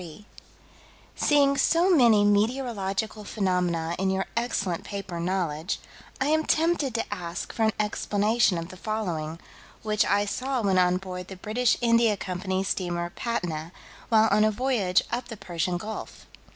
28, 1883: "Seeing so many meteorological phenomena in your excellent paper, Knowledge, I am tempted to ask for an explanation of the following, which I saw when on board the British India Company's steamer Patna, while on a voyage up the Persian Gulf.